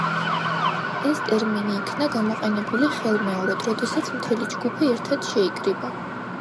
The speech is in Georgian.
ეს ტერმინი იქნა გამოყენებული ხელმეორედ, როდესაც მთელი ჯგუფი ერთად შეიკრიბა.